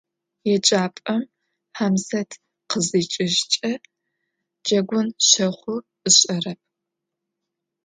ЕджапӀэм Хьамзэт къызикӀыжькӀэ, джэгун щэхъу ышӀэрэп.